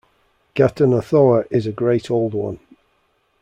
Ghatanothoa is a Great Old One.